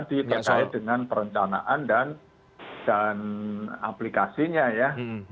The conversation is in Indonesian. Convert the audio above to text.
diterkai dengan perencanaan dan aplikasinya ya